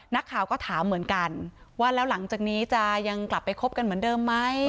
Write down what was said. นักข่าวก็ถามเหมือนกันว่าแล้วหลังจากนี้จะยังกลับไปคบกันเหมือนเดิมไหม